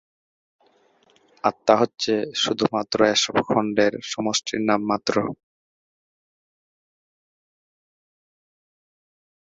আত্মা হচ্ছে শুধুমাত্র এসব খন্ডের সমষ্টির নাম মাত্র।